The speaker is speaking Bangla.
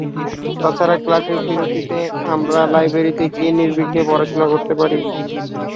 তাছাড়া, ক্লাসের বিরতিতে আমরা লাইব্রেরিতে গিয়ে নির্বিঘ্নে পড়াশুনা করতে পারি।